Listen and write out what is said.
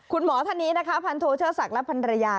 คุณหมอธนีนะคะพันธุเชื้อสักและพันธุระยา